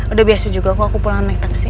udah biasa juga aku pulang naik taksi